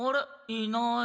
いない。